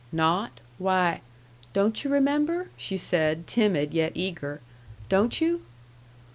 "Not? Why " "Don't you remember?" she said, timid, yet eager. "Don't you?"